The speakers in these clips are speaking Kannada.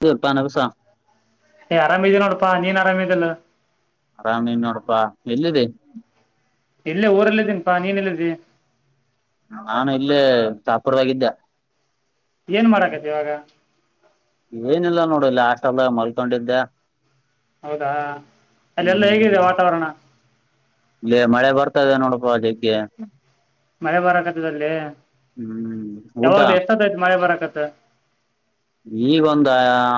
ತೀರ್ಪಾನಭಸಾ. ಅಾ ನೀನ್ ಆರಾಮದಲ್ಲ. ಆರಾಮ್ ನೀನ್ ನೋಡಪ್ಪಾ ಎಲ್ಲಿದೆ. ಇಲ್ಲೇ ಊರಲ್ಲಿದ್ದೀನ್ಪಾ ನೀನಲ್ಲಿದ್ದಿ. ನಾನು ಇಲ್ಲೇ ಚಾಪರ್ದಾಗಿದ್ದೆ. ಏನ್ ಮಾಡಾಕತಿ ಇವಾಗ. ಲಾಸ್ಟ್ ಅ ಮಲ್ಕೊಂಡಿದ್ದೆ. ಹೌದಾ ಅಲ್ಲಿ ಎಲ್ಲ ಹ್ಮ್ ಹೇಗಿದೆ ವಾತಾವರಣ. ಇಲ್ಲಿ ಮಳೆ ಬರ್ತದೆ ನೋಡಪ ಹಾಗ. ಮಳೆ ಬರಕತದಲ್ಲಿ ಹ್ಮ್ ಊಟ ಯಾವಾಗ್ಲೂ ಎಷ್ಟದಾಯ್ತು ಮಳೆ ಬರಕತ. ತ್ತ. ಈಗ ಒಂದ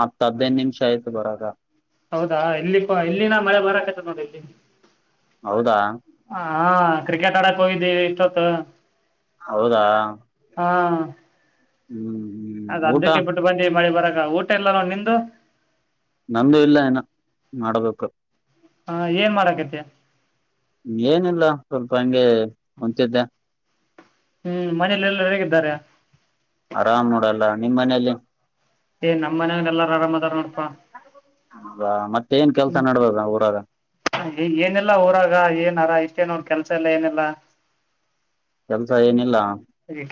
ಹತ್ತು ಹದ್ನೈದು ನಿಮಿಷ ಆಯ್ತು ಬರಾಗ. ಹೌದಾ ಎಲ್ಲಿ ಇಲ್ಲಿನ ಮಳೆ ಬರಕತ್ ನೋಡಿ ಇಲ್ಲಿ. ಹೌದಾ. ಹಾ ಕ್ರಿಕೆಟ್ ಆಡಕ್ ಹೋಗಿದ್ದೀ ಇಷ್ಟೊತ್ತು. ಹೌದಾ. ಹಾ. ಹ್ಮ್. ಹ್ಮ್ ಅದದು ಊಟ ಅದ್ದಕ್ಕೆ ಬಿಟ್ಟು ಬಂದಿ ಮಳಿ ಬರ. ಊಟ ಎಲ್ಲಾರ ನಿಂದು. ನಂದುು ಇಲ್ಲ ಏನ ಮಾಡಬೇಕು. ಹ. ಹಾ ಏನ್ ಮಾಡಕತ. ಏನಿಲ್ಲ ಸ್ವಲ್ಪ ಹಂಗೆ ಮುಂಂತಿದ್ದೆ. ಹ್ಮ್ ಮನೇಲೆ ಎಲ್ಲ ಹೇಗಿದ್ದಾರೆ ಆರಾಮ್ ನೋಡಲ್ಲ ನಿಮ್ ಮನೇೆಯಲ್ಲಿ. ಏ ನಮ್ಮ್ ಮನ ಎಲ್ಲಾರು ಆರಾಮ. ಡಪಾ. ಮತ್ತೇನ್ ಕೆಲ್ಸ ಹ್ಮ್ ನಡ್ದದ ಊರಾಗ ಏನೆಲ್ಲ ಊರಾಗ ಏನಾರ ಇಷ್ಟ. ಮ ನೋಡ್ ಕೆಲ್ಸ ಎಲ್ಲ ಏನೆಲ್ಲ. ಕೆಲ್ಸ ಏನಿಲ್ಲ.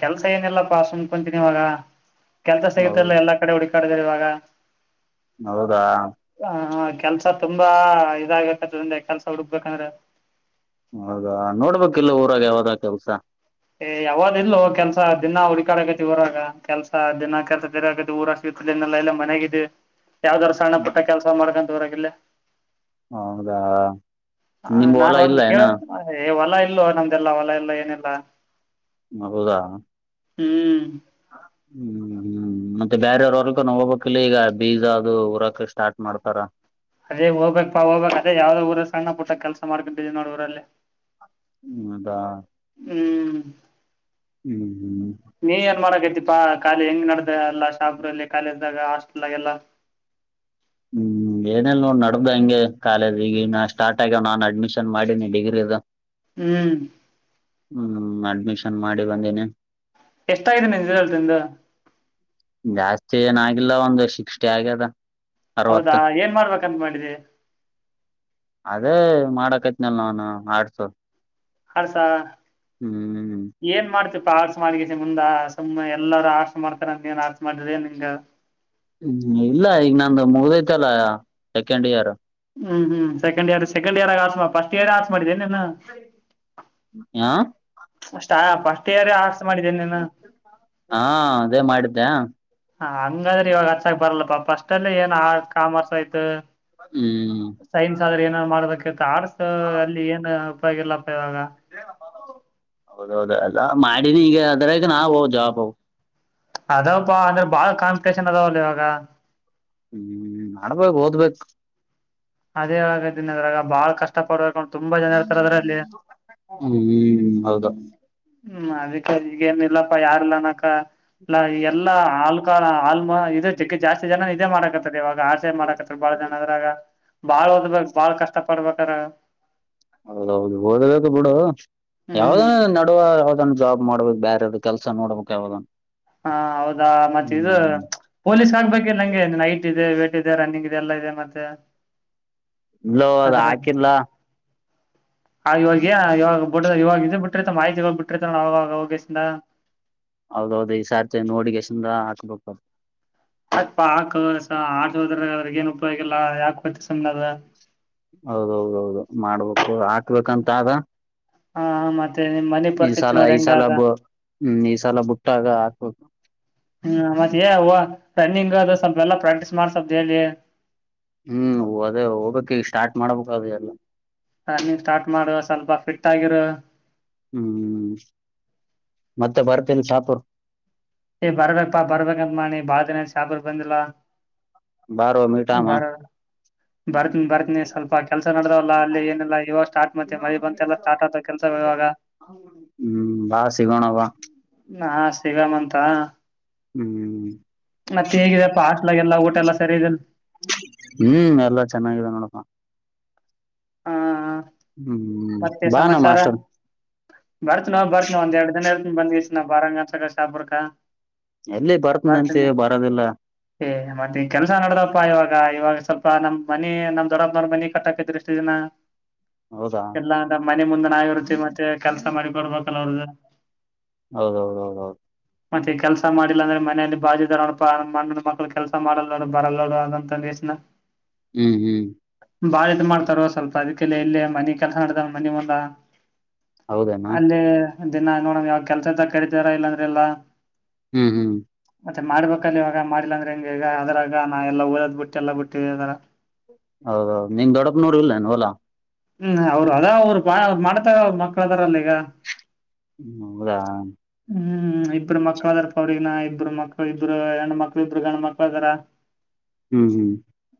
ಕೆಲ್ಸ ಏನಿಲ್ಲಪ್ಪಾಸುನ್ ಕುಂತೀನಿ ಇವಾಗ. ಕೆಲಸ ಹೌ ಸಿಗುತ್ತೆಲ್ಲ ಎ ಕಡೆ ಹುಿ. ಕಡದ್ರ ಇವಾಗ. ಹೌದಾ. ಆ ಕೆಲ್ಸ. ಸ ತುಂಬಾ ಇದಾಗ್ಬೇಕತ್ಂದೆ ಕೆಲ್ಸ ಹುಡುಕ್ಬೇಕಂದ್ರೆ. ಹೌದಾ ನೋಡ್ಬೇಕ ಇಲ್ಲ ಊರಾಗ ಯಾವಾಗ ಕೆ ಹಸಾ. ಏ ಯಾವಾಗ್ ಇಲ್ಲೊ ಕೆಲ್ಸ ದಿನಾ ಹುಡಕಾಡ ಆಗತಿ ಊರಾಗ ಕೆಲ್ಸ ದಿನಾ ಕೆಲ್ಸ ಬೇರೆ ಆಗತಿ ಊರ ಸಿತಲ್ಲಾ ಎಲ್ಲ ಮನೆಗಿದೆ. ಯಾವ್ದಾದ್ ಸಣ್ಣ ಪುಟ್ಟ ಕೆಲಸ ಮಾಡ್ಕಂತ. ಉರಕಿಲ್ಲ. ಹೌದಾ ನಿಮ ಹೊಲ ಇಲ್ಲ ಏನ. ಇಲ್ವ ನಮ್ದೆಲ್ಲ ಹೊಲ ಎಲ್ಲ ಏನೆಲ್ಲ. ಹೌದಾ ಹ್ಮ್ ಹ್ಮ್ ಹ್ಮ್ ಮತ್ತೆ ಬೇರವ್ರವರ್ಗ ನ ಹೋಗ್ಬೇಕಕ್ಿಲ್ಲ ಈಗ ಬೀಜ ಅದು ಉರಾಕೃಷ್ಟ ಅದೇ ಹೋಗ್ಬೇಕಕ್ಪ್ಪಾ ಹೋಗ್ ಅದೇ ಯಾವ್ದ ಊರ ಸಣ್ಣಟ್ಟ. ಕೆಲಸ ಮಾಡ್ಕೊಂಡಿದ್ದವಿ ನೋಡ ಊರಲ್ಲಿ. ಹೌದಾ ಹ್ಮ್ ಹ್ಮ್ ಹ್ಮ್್ಮ ನೀ ಏನ್ ಮಾಡಕೈತಿಪಾಖಾಲಿ ಹೆಂಗ್ ನಡ ಅಲ್ಲ ಶಾಬಲ್ಲಿ ಕಾಲ ಇಾಗ ಆಷ್ಟಲಾಗ ಎಲ್ಲ ಹ್ಮ್ ಏನಲ್ ನೋಡ್ ನಡ್ದ ಹಂಗೆ ಕಾಲೇಜ್ ಈಗ ಸ್ಟಾರ್ಟ್ ಆಗ್ಯವ್ ನಾನನ್ ಅಡ್ಮಿಷನ್ ಮಾಡಿನಿ ಡಿಗ್ರಿದು ಹ್ಮ್ ಹ್ಮ್ ಅಡ್ಮಿಷನ್ ಮಾಡಿ ಬಂದೀನಿ ಎಷ್ಟಾಗಿದೆ ಮದಿಂದ ಜಾಸ್ತಿ ಏನಾಗಿಿಲ್ಲ ಒಂದು ಶಿಕ್ಸ್ಟಿ ಆಗ್ಯದ ಹೌದಾ ಅರವತ್ತು ಏನ್ ಮಾಡ್ಬೇಕಂತ ಮಾಡಿದ್ದಿ ಅದೇ ಮಾಡಕೈತ್ನಲ್ ನನ್ ಆಡ್ಸೋ ಹರ್ಸ ಹ್ಮ್್ಮ್್ಮ ಆಡ್ಸ ಮಾಡ ಮುಂದ ಸುಮ್ಮ್ ಎಲ್ಲಾರೂ ಆಡ್ಸ ಮಾಡ್ತಾರ ನೀಏನ್ ಆಡ್ಸ ಮಾಡ್ರ ನಿನ್ಂಗ ಹ್ಮ್ ಇಲ್ಲ ಈಗ ನಂದು ಮುಗ್ದೈತೆಲ್ಲ ಸೆಕೆಂಡ್ ಇಯರ್ ಹ್ಮ ಹ್ಮ ಸಕೆ್ ಇಯರ್ ಸಕೆ್ ಇರ್ ಆಸ್ಫಸ್ಟ್ ಇಯರ್ ಆ ಮಾಡಿದ್ದೇನೆಲ್ಲ ಹಾ ನೀನು ಹಾ ಅದೇ ಮಾಡಿದ್ದೆ ಹ ಹಂಗಾದ್ರೆ ಇವಾಗ ಹಚ್ಚಕ್ ಬರಲ್ಲಪ್ಪಾ ಫಸ್ಟ್ ಅಲ್ಲಿ ಏನ್ ಆರ್ಟ್ ಕಾಮರ್ಸ್ ಆಯ್ತು ಹ್ಮ್ ಸೈನ್ಸ್ ಆದ್ರೆ ಏನಾದ್ರು ಮಾಡ್ಬೇಕತ್ತು ಆರ್ಟ್ಸ್ ಅಲ್ಲಿ ಏನ ಆಲ್ಲ ಇವಾಗ ಹೌದೌದು ಅ ಮಾಡಿನಿ ಈಗ ಅದ್ರಾಗ ನಾವು ಜಾ ಹೌ ಅದಾವಪ್ಪಾ ಅಂದ್ರೆ ಬಾಳ್ ಕಾಂಪಿಟೇಷನ್ ಅದಾವಲ್ಲ ಇವಾಗ ಹ್ಮ್ ಮಾಡ್ಬೇಕು ಓದ್ಬೇಕು ಅದೇ್ದಿ ಅದ್ರಾಗ ಬಾಳ್ ಕಷ್ಟ ಪಡ್ಬೇಕುಂಟ ಹ್ಮ್ ಹೌದಾ ಹ್ಮ್ ಅದಕ್ಕೆಗೇನ್ ಇಿಲ್ಲಪ್ಪ ಯಾರ್ಲ್ಲನಕ್ಕ ಇಲ್ಲ ಎಲ್ಲಾ ಆಳ್ ಕಾಲ ಆ [inaudible] ಜಾಸ್ತಿ ಜನನ್ ಇದೇ ಮಾಡಾಕತ್ತರ್ ಇವಾಗ ಆಡಚೆ ಮಾಡಕತ್ತರ್ ಬಾಳ ಜನ ಅದ್ರಾಗ ಬಾಳ್ ಓದ್ಬೇಕಕ್ ಬಾಳ್ ಕಷ್ಟ ಪಡ್ಬೇಕು ತರ ಹೌದೌದು ಹೋದಬೇಕ ಬಿಡ ಯಾವ್ದ ಹ್ಮ್ ನಡುವ ಯಾವ್ದ ಜಾಬ್ ಮಾಡ್ಬೇಕಕ್ ಬೇಾರಾರ ಕೆಲಸ ನೋಡ್ಬೇಕಕ್ ಯಾವಾಗ ಹಾ ಹೌದಾ ಮತ್ತೆ ಇದು ಪೊಲೀಸ್ ಆಗ್ಬೇಕಿಲ್ಲಂಗೆ ನೈಟ್ ಇದೆ ವೇಟ್ ಇದೆ ರನ್ನಿಂಗ್ ಇದೆ ಎಲ್ಲ ಇದೆ ಮತ್ತೆ ಇಲ್ಲೋ ಅದು ಹಾಕಿಲ್ಲ ಆ ಇವಾಗ ಇವಾಗ ಬ ಇವಾಗ ಇದ ಬಿಟ್ಟಿರ್ತ ಮಾಹಿತಿಗಳು ಬಿಟ್ಟಿತ ನಾಗೋಗೇಶಿಂದ ಹೌದೌದು ಈ ಈ ಸತಿ ನೋಡಿ ಕಿಶನ್ ಹಾಕ್ಬೇಕು [inaudible] ಅಪ್ಪಾ ಹಾಕಸ ಆಟೋರಿಗಿ ಅವ್ರಗಏನ್ ಉಪಯೋಗಗಿಲ್ಲ ಯಾಕ ಗತ ಸುಮ್ ಅದ ಹೌದೌದೌದು ಮಾಡ್ಬೇಕು ಹಾಕಬೇಕಂತ ಆದ ಹ ಮತ್ತೆ ನಿಮ್ ಮನೆ ಈ ಪರಿಸ್ಥಿತಿ ಸಲ ನೋಡಿ ಈ ಹೆಂಗ ಅದ ಸಲ್ಮ ಈ ಸಲ ಬುಟ್ಟಾಗ ಹಾಕ್ಬೇಕ ಹ್ಮ ಮತ್ತೆ ರನ್ನಿಂಗ್ ಅದು ಸ್ವಲ್ಪ ಎಲ್ಲಾ ಪ್ರಾಕ್ಟೀಸ್ ಮಾಡ ಸ್ವಲ್್ದ ಹೇಳಿ ಹ್ಮ್ ಅದೇ ಹೋಗ್ಬೇಕಕ್ ಈಗ ಸ್ಟಾರ್ಟ್ ಮಾಡ್ಬೇಕಕ್ದು ಎಲ್ಲ ರನ್ನಿಂಗ್ ಸ್ಟಾರ್ಟ್ ಮಾಡುವ ಸ್ವಲ್ಪ ಫಿಟ್ ಆಗಿರು ಹ್ಮ್ ಮತ್ತೆ ಬರ್ತೀನಿ ಶಾಪುರ್ಕ ಏ ಬರ್ಬೇಕಾ ಬರ್ಬೇಕಂತ ಮಾಡಿ ಬಾಳ ದಿನ ಆಯ್ತಾ ಶಹಪುರ್ ಬಂದಿಲ್ಲ ಬಾರೋ ಮೀಟಾಮ ಬರ ಬರ್ತನಿ ಬರ್ತನಿ ಸ್ವಲ್ಪ ಕೆಲ್ಸ ನಡ್ರಲ್ಲ ಅಲ್ಲಿ ಏನಲ್ಲ ಇವಾಗ ಸ್ಟಾರ್ಟ್ ಮತ್ತೆ ಮ ಬಂತೆ ಎಲ್ಲ ಸ್ಟಾರ್ಟ್ ಆಗ್ತ ಕೆಲ್ಸ ಇಾಗ ಹ್ಮ್ ಬಾ ಸಿಗೋಣ ಬಾ ಹಾ ಸಿಗ್ಗಮಂತ್ ಹಾ ಹ್ಮ್ ಹಾಸ್ಟ್ಲಾಗೆಲ್ಲ ಊಟ ಎಲ್ಲ ಸರಿ ಇದೆಲ್ಲ ಹ್ಮ್ ಎಲ್ಲಾ ಚೆನ್ನಾಗಿದೆ ನೋಡಪ್ಪ ಹಾ ಹ ಹ್ಮ್ ಬಾ ನಮ್ ಹಾಸ್ಟೆಲ್ ಬರ್ತ್ ನೋ ಬತ್ವು ಒಂದ ಎರಡ್ ದನ ಇತ ಬಂದ್ ನ ಬಾರಂಗ ಶಹಪುರ್ ಎಲ್ಲಿ ಬರ್ತನ ಅಂತೆ ಬರ್ತೀನಿ ಬರೋದಿಲ್ಲ ಏ ಮರ್ತೀಿ ಕೆಲ್ಸ ನಡದಪ್ಪ ಇವಾಗ ಇವಾಗ ಸ್ವಲ್ಪ ನಮ್ ಮನಿ ನಮ್ ದೊಡ್ಡದ ಮನಿ ಕಟ್ಟಕತ್ರಿ ಎಷ್ಟು ದಿನ. ಹೌದಾ. ಎಲ್ಲಾ ನಮ್ ಮನೆ ಮುಂದನ ಆಗಿರುತ್ತತಿ ಮತ್ತೆ ಕೆಲ್ಸ ಮಾಡಿ ಕೊೊಡ್ಬೇಕಲ್ಲ ಅವ್ರ್ದ. ಹೌದೌದೌದೌದು. ಮತ್ತೆ ಕೆಲ್ಸ ಮಾಡಿಲ್ಲ ಅಂದ್ರೆ ಮನೆಯಲ್ಲಿ ಬಾಜಿಿದರಣಪ್ಪ ಮಣ್ಣ ಮಕ್ಕಳು ಕೆಲ್ಸ ಮಾಡಲ್ಲ ನೋಡು ಬರಲ್ಲ ನೋಡು ಅಂತ ದ್ನ. ಹ್ಮ್ ಹ್ಮ್. ಬಾಳ ಇದ್ ಮಾಡ್ತಾರ ಸ್ವಲ್ಪ ಅದಕ್ಕೆಲ್ಲ ಎಲ್ಲೇ ಮನೆ. ಕೆಲಸ ನಡ್ದಾವ ನಿಮ್ಮಲ್ಲ. ಹೌದೇನಾ ಅಲ್ಲಿೇ. ದಿನ ನೋಡಮ್ ಯಾವ ಕೆಲಸಂತ ಕಡಿತಾರಾ ಇಲ್ಲಾಂದ್ರೆ ಇಾ. ಹ್ಮ್ ಹ್ಮ್. ಮತ್ತೆ ಮಾಡ್ಬೇಕಲ್ಲಿ ಇವಾಗ ಮಾಡಲಾಂದ್ರೆ ಹೆಂಗಗೆಗ ಅದ್ರಾಗ ನಾ ಎಲ್ಲಾ ಓದ್ ಬಿಟ್ಟ ಎಲ್ಲ ಬಿಟ್ಟ ಅದರ. ಹೌದೌದು ನಿಮ್ ದೊಡ್ಡಪುರ ನೋಡ್ ಇಲ್ಲ್ಲೇನು ಅಲಾ. ಹ್ಮ್ ಅವರು ಅದ ಅವ್ರು ಮಾಡ್ತಾರ ಮ. ಹ್ಮ ಹೌದಾ. ಹ್ಮ್ ಇಬ್ಬರು ಮಕ್ಳ ಅದಾರ ಪ ಅವ್ರಗನ ಇಬ್ಬರು ಮಕ್ಳ ಇಬ್ರು ಹೆಂಡ ಮಕ್ಳ ಇಬರು ಗಂಡ ಮಕ್ಳ ಅದಾರ. ಹ್ಮ್ ಹ್ಮ್.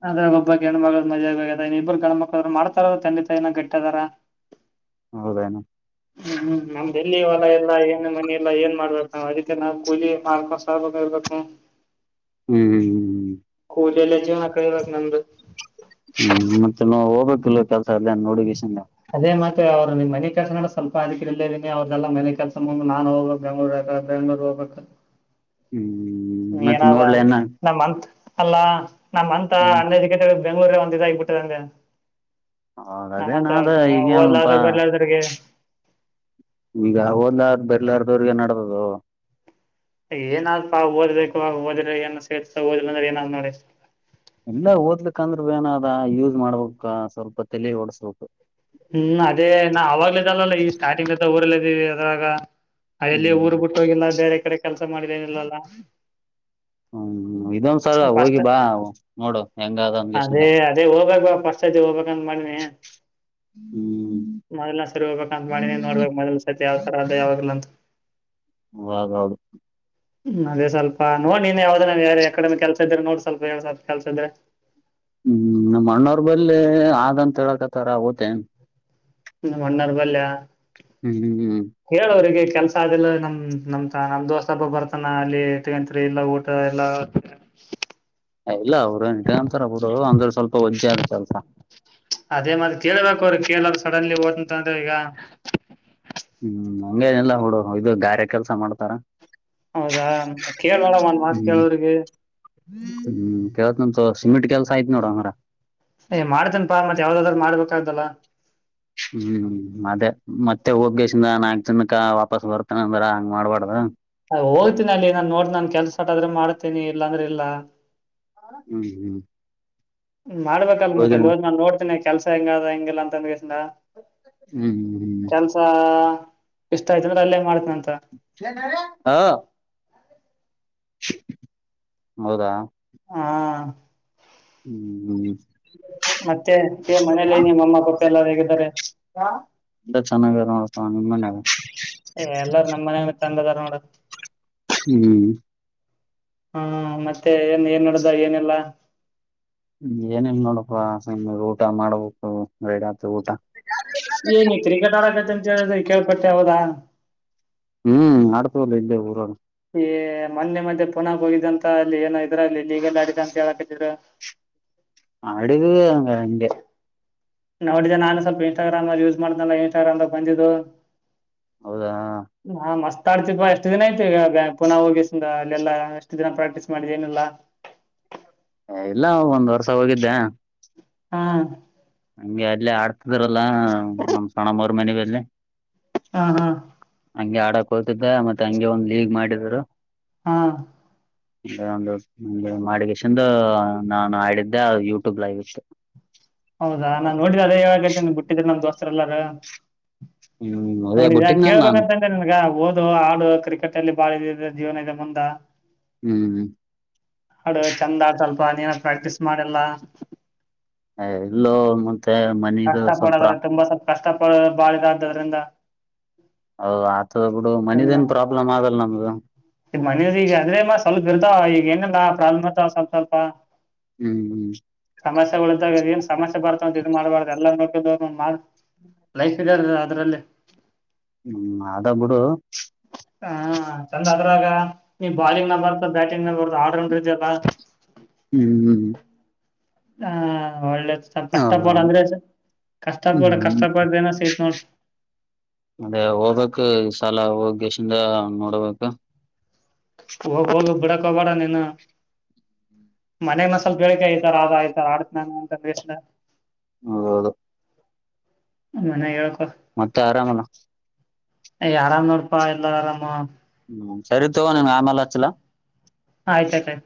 ಅದೆ ಒಬ್ಬ ಗಣ ಮಗಳು ಮಜೆ ಆ ಇಬ್ರು ಗಣ ಮಕ್ಳ ಮಾಡ್ತಾರ ತ. ಏನ ಗಟ್ಟದಾರ. ಹೌದೇನು ಹ್ಮ್ ಹ್ಮ್ ನಮ್ದಲ್ಲಿ ಹೊಲ ಎಲ್ಲಾ ಏನ್ ಮನ ಎಲ್ಲಾ ಏನ್ ಮಾಡ್ಬೇಕು ನಾವ್ ಅದ ರೀತಿ ನಾವು ಕೂಲಿ ಮಾರ್ಕಸ್ ಆಬೇಕು. ಹೂಂ. ಹ್ಮ್ ಹ್ಮ್ ಕೂಲಲ್ಲಜ ನನ್ನದು. [unintelligible] ಇಲ್ಲೆ ಕೆಲಸ ಇದೇ ನೋಡಕಿಸಗಿಂದ. ಅದೇ ಮತ್ತೆ ಅವರು ನಿನ್ ಮನೆ ಕೆಲ್ಸ ನ ಸ್ವಲ್ಪ ಅದಕ್ಕೆಿ ಇಲ್ಲೇ ಇದಿನಿ ಅವ್ರದೆೆಲ್ಲ ಮನೆ ಕೆಲ್ಸ ಮುಂದೆ ನಾನ್ ಹೋಗ್ಬೇಕಕ್ ಬೆಂಗ್ಳೂರ್ ಬ ಬೆಂಗ್ಳೂರ್ ಹೋಗ್ಬೇಕ. ಹ್ಮ್. ಮತ್ ಏನಾದ ನೋಡ್ಲೆನ ನಮ್ಮತ್ ಅಲ್ಲಾ ನಮ್ಮಂತ ಹ್ಮ್ ಆನ್ಎಜುಕೇಟೆಡ್. ಬೆಂ್ಗಳೂರ ಒಂದ ಇದಗಬಿಟ್ಟದಂಗ. ಹ ಅದೇ ನಾದ ಈಗೇಪ ಓದ್ಲಾದ್ರ ಬರ್ಲಾದ್ರಗೆ ಈಗ ಓದಲಾರದ್ ಬಾರಿಲಾರ್ದ. ್ರರಿಗೆ ನಡೆದದು. ಏನಾದ್ಪ್ಪ ಓದ್ಬೇಕು ಆ ಓದ್ರೆ ಏನ ಸೇತಓದಂದ್ರೆ ಏನಾದ್ ನೋಡ. ಎಲ್ಲಾ ಓದ್ಲಿಕ್ಕಂದ್ರ ಭ ಏನದ ಯೂಸ್ ಮಾಡ್ಬೇಕ ಸ್ವಲ್ಪ ತಲೆ ಓಡ್ಸ್ಲ್ಪ. ಹ್ಮ್ ಅದೇ ನಾ ಅವಾಗ್ಲ ಇದಲ್ಲಲ್ಲ ಈ ಸ್ಟಾರ್ಟಿಂಗ್ತ್ತ ಊರಲ್ಲ ಇದೀವಿ ಅದ್ರಾಗ. ಅಲ್ಲಿ ಹ್ಮ್ ಊರ್ ಬಿಟ್ಟ ಹೋಗಿಲ್ಲ ಬೇರೆ ಕಡೆ ಕೆಲ್ಸ. ಮಾಡಿದೇನಲ್ಲಲ್ಲ. ಹ್ಮ್ ಇದೊಂದ್ ಸಲ ಸೊಪ್ ಹೋಗಿ ಅಷ್ಟೇ ಬಾ ನೋಡು ಹೆಂಗದ ಹಂಗೇಶಂಗ ಅದೇ ಅದೇ ಹೋಗ್ಬೇಕ ಫಸ್ಟ್ಐತಿ ಹೋಗ್ಬೇಕಂತ ಮಾಡಿನಿ. ಹ್ಮ್ ಮೊದ್ಲ ಸರಿ ಹೋಗ್ಕ್ ಅಂತ ಮಾಡಿನಿ ನೋಡಬೇಕು ಮೊದ್ ಸರಿ. ಯಾವತರ ಅ ಯಾವಾದ್ ಇಲ್ಲಂತ. ಹಾಗಾಗೌದು. ಹ್ಮ್ ಅದೇವಪ ನೋಡ್ ನೀನ್ ಯಾವ್ದೇಾವ ಯಕಡಮೆ ಕೆಲ್ಸ ಇದ್ರೆ ನೋಡ್ ಸ್ವಲ್ಪ ಎಏಡ್ ಸಲ್ ಕೆಲ್ಸ ಇದ್ರೆ ಹ್ಮ್ ಅಣ್ಣೋರ್ ಬಲ್ಲಿ ಆದಂತ ಹತ್ತಕಥರಾವತ ಮಣ್ಣಾರ್ ಬಲ್ಯ ಹ್ಮ್ ಹ್ಮ್ ಹೇಳೋ್ರರಿಗೆ ಕೆಲ್ಸ ಅದೆಲ್ಲ ನಮ ನಮ್ ನಮ್ ದೋಸ್ತ ಅಪ್ಪ ಬರ್ತಾನ ಅಲ್ಲಿ ಇ ತಕಂತರಿ ಇಲ್ಲಾ ಊಟ ಎಲ್ಲ ಹೌದು ಇಲ್ಲ ಅವರು ಹಿಟಂತಾರ ಅವರು ಅಂದ್ರ ಸ್ವಲ್ಪ ಒಜ್ಜೆ ಆದ ಕೆಲ್ಸ ಕೇಳರು ಸಡನ್ಲಿ ಓತಂತಂದ ಈಗ ಹಂಗನೆಲ್ಲ ಬಿಡು ಇದು ಗಾರೆಯ ಕೆಲಸ ಮಾಡ್ತಾರ ಹೌದಾ ಕೇಳ್ೋಡ ಓನ್ ಮಾತ್ ಹ್ಮ್ ಕಳೋರುರಿಗೆ ಸಿಮಿಟ್ ಕೆಲ್ಸ ಆಯ್ತ್ ನೋಡ ಹಂಗ್ರ ಏ ಮಾಡ್ತನ್ಪಾ ಮತ್ ಯಾವ್ದಾದ್ರರು ಮಾಡ್ಬೇಕಾಗ್ದಲ್ಲ ಹ್ಮ್ ಅದೇ ಮತ್ತೆ ಹೋಗಸಿಂದ ನಾಲ್ಕು ಜನಕ ವಾಪಸ್ ಬರ್ತನ ಅಂದ್ರ ಹಂಗ್ ಮಾಡ್ಬಾರಡ್ದ ಹೋಗ್ತೀನಿ ಅಲ್ಲಿ ನಾನ್ ನೋಡ್ ನಾನ್ ಕೆಲ್ಸ ಆಟ ಆದ್ರೆ ಮಾಡ್ತೀನಿ ಇಲ್ಲಾಂದ್ರೆ ಇಲ್ಲ ಹ್ಮ್ ಹ್ಮ್ ಮಾಡ್ಬೇಕ ಅಲ್ ಮತ್ತೆ ಹೋಗಿ ಇವ್ ನಾನ್ ನೋಡ್ತೇನೆ ಕೆಲ್ಸ ಹೆಂಗ ಅದ ಹೆಂಗ್ಗಿಲ್ಲ ಅಂದಕಸಿ ಹ್ಮ್ ಹ್ಮ್ ಕೆಲ್ಸ [unintelligible] ಇಷ್ಟ ಆಯ್ತು ಅಂದ್ರ ಅಲ್ಲೇ ಮಾಡ್ತ [unintelligible] ಹಾ [unintelligible] ಹೌದಾ ಹಾ ಹ್ಮ್ ಹ್ಮ್ ಮತ್ತೆ ಮನೇಲಿನ ಅಮ್ಮ ಪಪ್ಪ ಎಲ್ಲಾರು ಹೇಗಿದ್ದಾರೆ ತಮ್ಮ ಎಲ್ಲ ನಮ್ಮ ಮನ ತಂದ ತಾರ ನೋಡ ಹ್ಮ್ ಹಾ ಮ ಮತ್ತೆ ಏನ್ ಏನ್ ನಡ್ದ ಏನೆಲ್ಲಾ ಏನನ್ ನೋಡಪ್ಪಾ ಊಟ ಮಾಡ್ಬೇಕು ರೈಡ ಹತ್ ಊಟ ಏನ ಕ್ರಿಕೆಟ್ ಆಡಕತ್ತ ಅಂತ ಹೇಳಿದ್ರ ಕೇಳ್ಪಟ್ಟೆ ಯಾವದಾ ಹ್ಮ್ ಆಡ್ಕೊಬುದು ಇಲೆ ಪೂರ ಮೊನ್ನೆ ಮದೆ ಪುನಾಗ ಹೋಗಿದ್ದಂತ ಅಲ್ಲಿ ಏನ ಇದ್ರ ಅಲ್ಲಿ ಇಲ್ಲಿ ಈಗೆಲ್ಲ ಅಡ ಅಂತ ಹೇಳಾಕಿದ್ರು ಅಡುಗ ನಿಂದ [inaudible] ನೋಡಿದ್ದ ನಾನು ಸ್ವಲ್ಪ ಇನ್ಸ್ಟಾಗ್ರಾಮ ಯೂಸ್ ಮಾಡ್ದಲ್ಲ ಇನ್ಸ್ಟಾಗ್ರಾಮಾಗ ಬಂದಿದ್ದು [unintelligible] ಹೌದಾ [unintelligible] ತಾಡ್ತಿ ಎಷ್ಟು ದಿನ ಯತೆತಿ ಈಗ್ಯಾ ಪುನಃ ಹೋಗಿಸಸ [unintelligible] ಲ್ಯಲ ಎಷ್ಟು ದಿನ ಪ್ರಾಕ್ಟೀಸ್ ಮಾಡಿದೆ ಏನಲ್ಲ [unintelligible] ಹ ಇಲ್ಲ ಒಂದ್ ವರ್ಷ ಹೋಗಿದ್ದೆ [unintelligible] ಹಾ [unintelligible] ಹಂಗೆ ಅಲ್ಲೇ ಆಡ್ [unintelligible] ಯ ಲ್ಲ ನಮ್ಮ್ ಸಣ್ಣ ಮ [unintelligible] ಮನೆಗೆ ಹೋದ್ರೆ [unintelligible] ಹಾ ಹಾ [unintelligible] ಹಂಗೆ ಆಡಕ್ ಹೋತಿದ್ದ ಮತ್ತೆ ಹಂಗೆ ಒಂದ್ ಲೀಗ್ ಮಾಡಿದ್ರು [unintelligible] ಹಾ [unintelligible] ಒಂದು ನ ಮಾಡಿಗೆೇಶನ್ ನಾನು ಆಡಿದ್ದೆ ಅದು ಯೂಟ್ಯೂಬ್ ಲೈವ್ ಇತ್ತು [unintelligible] ಹೌದಾ ನಾನ್ ನೋಡಿದ್ದ ಅದೇ ಏಳ ಗಂಟೆ ಬಿಟ್ಟಿದಿ ನಮ್ ದೋಸ್ತರೆ ಎಲ್ಲಾರ ಹ್ಮ್ ಅದೇ ನೋಡಿದ ಬಿಟ್ಟಿದ್ನಲ್ ನಾನು ಕೇಳ್ಬೇಕಂತಂದ್ರೆ ನನ್ಗ ಓದು ಹಾಡು ಕ್ರಿಕೆಟ್ ಅಲ್ಲಿ ಬಾಳ [unintelligible] ಜೀವನದ ಮುಂದ ಹ್ಮ್ [unintelligible] ಅಡು ಚಂದ ಸ್ಲ್ಪ ನೀನ ಪ್ರಾಕ್ಟೀಸ್ ಮಾಡೆಲ್ಲ [unintelligible] ಹ ಎಲ್ಲೋ [unintelligible] ಮತ್ತೆ ಮನದು ಸ್ವಲ್ಪ [unintelligible] ಕಷ್ಟಪಡ ಬಾಳಿಗೆ್ದದ್ರಿಂದ ಹೌದ ಆತದ ಬಿಡು ಮನದೇನ್ ಪ್ರಾಬ್ಲಮ್ ಆಗಲ್ಲ ನಮ್ದು ದ ಈ ಏನಂಗ ಪ್ರಾಬ್ಮ್ ಅ ಸ್ವಲ್ಪ ಸ್ವಲ್ಪ ಹ್ಮ್ ಹ್ಮ್ ಸಮಸ್ಯೆಗಳ್ದಾಗ ಏನ್ ಸಮಸ್ಯೆ ಬರ್ತಾವಂತ ಮಾಡ್ಬಾರ್ದ ಲೈಫ್ ಇದ ಅದ್ರಲ್ಲಿ [unintelligible] ಹ್ಮ್ ಅದ ಬಿಡು ಹಾ ಚಂದದ್ರಾಗ ನೀ ಬಾಲಿಂಗ್ ನ ಬರ್ತಾ ಬ್ಯಾಟಿಂಗ್ ನ ಬರ್ತ ಆಲ್ರೌಂಡ್ ಇದಲ್ಲ ಹ್ಮ್ ಹಾ ಒಳ್ಳೆದು ಹ ಕಷ್ಟಪಡ ಹ್ಮ್ ಕಷ್ಟಪಡ್ದ ಏನೋ ಸಿಗತ್ ನೋಡ್ ಅದೇ ಹೋಗ್ಕ್ು ಸಾಲ ಹೋಗ ೇಶಿಂದ ನೋಡಬೇಕ ಒ ಬಡಾ ಕಬಡಾನನಾ ಮನೆ ಮಸಾಲ ಬೆಳಕ ಈತರ ಆದ ಈತರ ಆಡ್ತ ನಾನು ಅಂತ ಬಷ್ಟ ಹೌದೌದು ಮನೆಗೆ ಹೇಳ್ ಮತ್ತೆ ಆರಾಮಣ್ಣ ಆರಾಮ್ ನೋಡ್ಪಾ ಎಲ್ಲರ ಆರಾಮ ಹ್ಮ ಸರಿ ತೋ ನಿನ್ಗೆ ಆಮೇಲೆ ಹಚ್ಚಲ ಆಯ್ತಾಯ್ತ ಆಯ್ತು